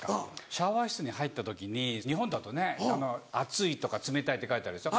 シャワー室に入った時に日本だとね熱いとか冷たいって書いてあるでしょ。